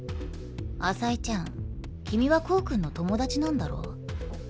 朝井ちゃん君はコウ君の友達なんだろ？